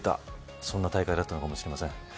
そんな大会だったのかもしれません。